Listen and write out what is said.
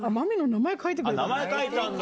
名前書いたんだ。